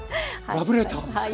ラブレターですか？